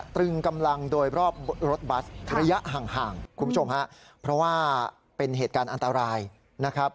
อเตรขอ์มนมคุณผู้หญิง